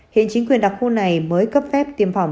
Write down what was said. hiện chính quyền đặc khu này mới cấp phép tiêm phòng